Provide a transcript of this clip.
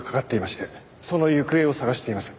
その行方を捜しています。